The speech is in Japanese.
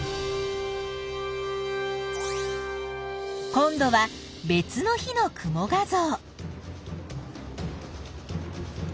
今度は別の日の雲画像。